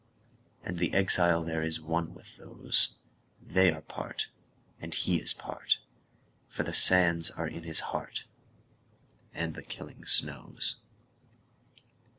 And the exile thereIs one with those; They are part, and he is part, For the sands are in his heart, And the killing snows.